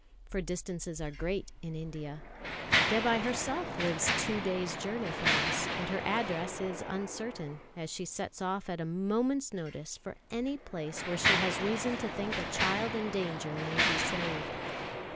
For distances are great in India. Dévai herself lives two days' journey from us, and her address is uncertain, as she sets off at a moment's notice for any place where she has reason to think a child in danger may be saved.